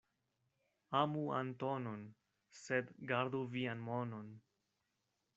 Amu Antonon, sed gardu vian monon.